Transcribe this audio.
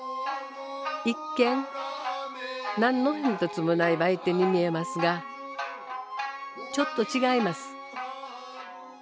一見何の変哲もない売店に見えますがちょっと違います。